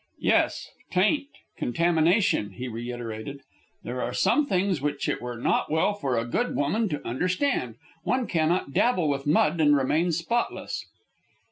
"Yes, taint, contamination," he reiterated. "There are some things which it were not well for a good woman to understand. One cannot dabble with mud and remain spotless."